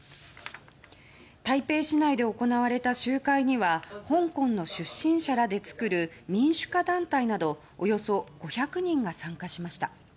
台北市内で行われた集会には香港の出身者らで作る民主化団体などおよそ５００人が参加しました。